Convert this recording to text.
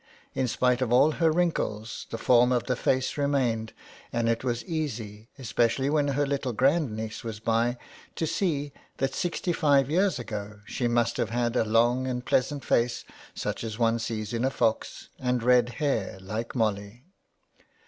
In spite of all her wrinkles the form of the face remained, and it was easy, especially when her little grand niece was by, to see that sixty five years ago she must have had a long and pleasant face, such as one sees in a fox, and red hair like Molly.